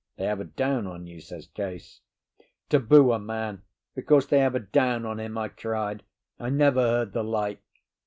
They have a down on you," says Case. "Taboo a man because they have a down on him!" I cried. "I never heard the like."